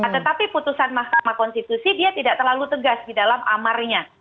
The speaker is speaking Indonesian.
tetapi putusan mahkamah konstitusi dia tidak terlalu tegas di dalam amarnya